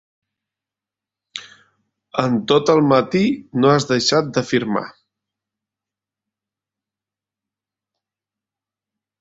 En tot el matí no has deixat de firmar.